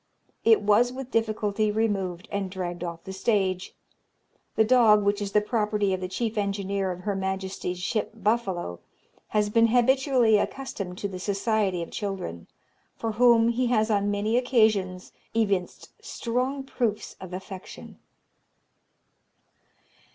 It was with difficulty removed, and dragged off the stage. The dog, which is the property of the chief engineer of Her Majesty's ship Buffalo, has been habitually accustomed to the society of children, for whom he has on many occasions evinced strong proofs of affection.